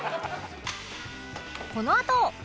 このあと